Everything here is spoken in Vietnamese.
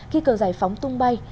khi cầu giải phóng tung bay